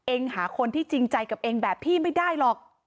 หาคนที่จริงใจกับเองแบบพี่ไม่ได้หรอก